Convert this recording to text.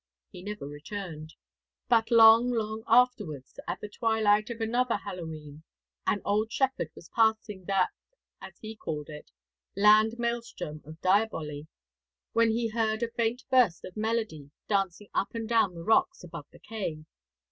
He never returned; but long, long afterwards, at the twilight of another Hallow E'en, an old shepherd was passing that as he called it 'Land Maelstrom of Diaboly,' when he heard a faint burst of melody dancing up and down the rocks above the cave.